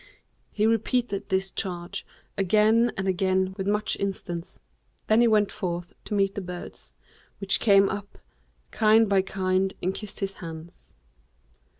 He repeated this charge again and again with much instance; then he went forth to meet the birds, which came up, kind by kind, and kissed his hands.